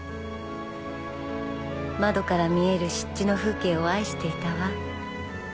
窓から見える湿地の風景を愛していたわ。